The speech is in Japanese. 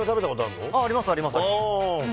あります、あります。